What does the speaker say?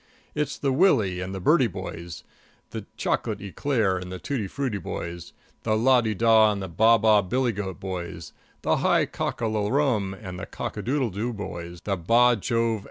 It's the Willie and the Bertie boys; the chocolate eclair and tutti frutti boys; the la de dah and the baa baa billy goat boys; the high cock a lo rum and the cock a doodle do boys; the Bah Jove!